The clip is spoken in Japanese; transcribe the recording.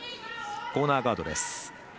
コーナーガードです。